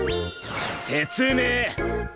説明！